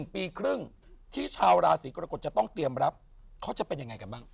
๑ปีครึ่งที่ชาวราศีกรกฎจะต้องเตรียมรับเขาจะเป็นยังไงกันบ้าง